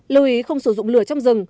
lưu ý không sử dụng lửa trong rừng